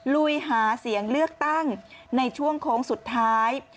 ลุยหาเสียงเลือกตั้งในช่วงโค้งสุดท้าย